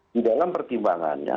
di dalam pertimbangannya